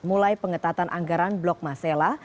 mulai pengetatan anggaran blok masela